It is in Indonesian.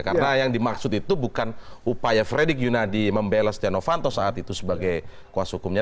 karena yang dimaksud itu bukan upaya fredy giunadi membelas tiano fanto saat itu sebagai kuas hukumnya